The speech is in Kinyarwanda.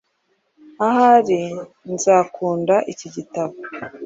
Ahari nzakunda iki gitabo.